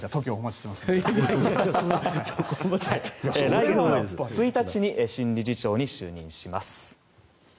来月の１日に新理事長に就任します。